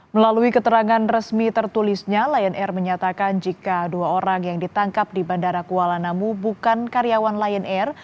melalui keterangan resmi tertulisnya lion air menyatakan jika dua orang yang ditangkap di bandara kuala namu bukan karyawan lion air